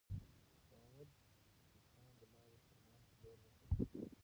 شاه محمود د سیستان له لاري د کرمان پر لور وخوځېد.